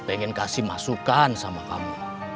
pengen kasih masukan sama kami